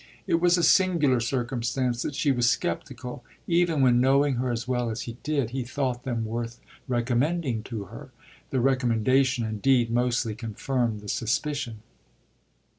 It was a singular circumstance that she was sceptical even when, knowing her as well as he did, he thought them worth recommending to her: the recommendation indeed mostly confirmed the suspicion.